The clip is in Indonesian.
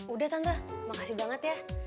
udah tante makasih banget ya